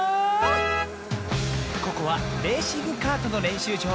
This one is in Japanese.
ここはレーシングカートのれんしゅうじょう。